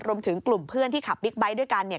รวมถึงกลุ่มเพื่อนที่ขับบิ๊กไบท์ด้วยกัน